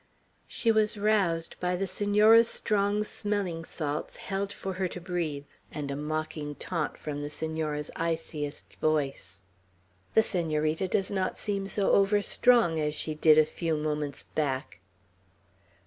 She was roused by the Senora's strong smelling salts held for her to breathe, and a mocking taunt from the Senora's iciest voice: "The Senorita does not seem so over strong as she did a few moments back!"